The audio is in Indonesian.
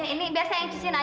emangnya gua pakaian kotor ah